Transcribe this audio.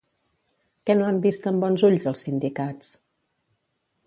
Què no han vist amb bons ulls els sindicats?